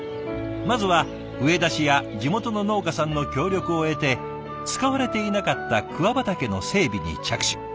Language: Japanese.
まずは上田市や地元の農家さんの協力を得て使われていなかった桑畑の整備に着手。